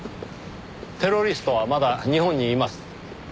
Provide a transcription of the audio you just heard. テロリストはまだ日本にいます。